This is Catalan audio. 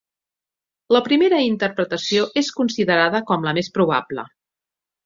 La primera interpretació és considerada com la més probable.